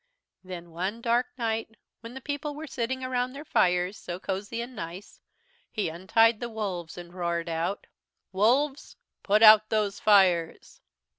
"Then one dark night when the people were sitting around their fires, so cozy and nice, he untied the wolves and roared out: "'Wolves, put out those fires!'